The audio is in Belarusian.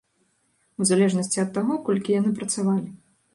У залежнасці ад таго, колькі яны працавалі.